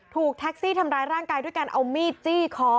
ถูกแท็กซี่ทำร้ายร่างกายด้วยการเอามีดจี้คอ